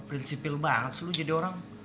prinsipil banget sih lo jadi orang